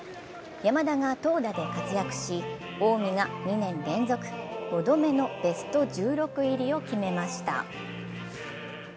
山田が投打で活躍し近江が２年連続５度目のベスト１６入りを決めました。